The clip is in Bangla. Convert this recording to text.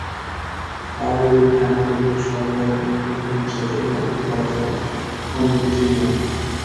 তাঁর বিরুদ্ধে আনা অভিযোগ সরকারের প্রতিহিংসা চরিতার্থ করা ছাড়া অন্য কিছুই নয়।